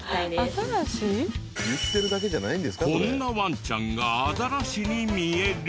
こんなワンちゃんがアザラシに見える？